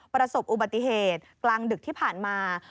ประสบอุบัติเหตุกลางดึกที่ผ่านมา